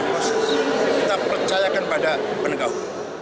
kita percayakan pada penegak